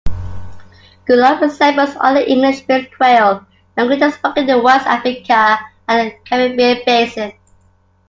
Gullah resembles other English-based creole languages spoken in West Africa and the Caribbean Basin.